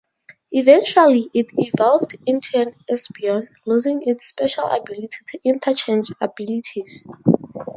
Eventually, it evolved into an Espeon, losing its special ability to interchange abilities.